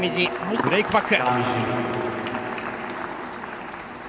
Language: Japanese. ブレークバック。